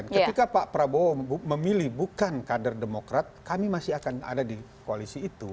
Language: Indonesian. ketika pak prabowo memilih bukan kader demokrat kami masih akan ada di koalisi itu